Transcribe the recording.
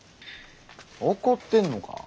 怒ってんのか？